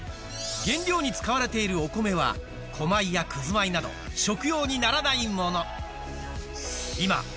原料に使われているお米は古米やクズ米など食用にならないもの